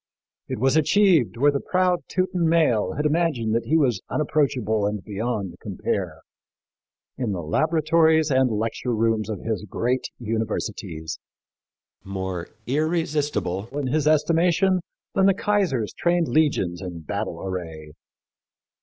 It was achieved where the proud Teuton male had imagined that he was unapproachable and beyond compare in the laboratories and lecture rooms of his great universities more irresistible, in his estimation, than the Kaiser's trained legions in battle array.